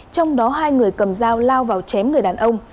trong đó hai người cầm dao lao vào chém người đàn ông